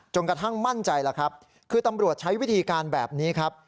กระทั่งมั่นใจแล้วครับคือตำรวจใช้วิธีการแบบนี้ครับ